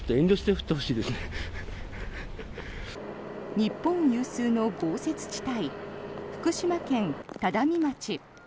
日本有数の豪雪地帯福島県只見町。